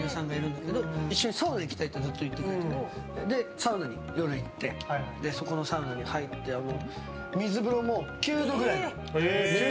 サウナに行ってそこのサウナに入って水風呂も９度くらい。